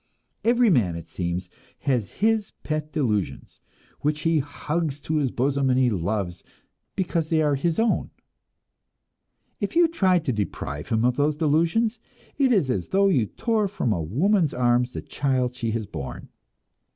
Every man, it seems, has his pet delusions, which he hugs to his bosom and loves because they are his own. If you try to deprive him of those delusions, it is as though you tore from a woman's arms the child she has borne.